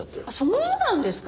そうなんですか？